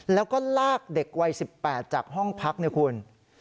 แล้วก็ลากเด็กวัย๑๘จากห้องพักนะคุณ